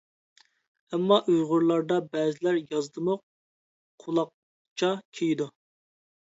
ئەمما ئۇيغۇرلاردا بەزىلەر يازدىمۇ قۇلاقچا كىيىدۇ.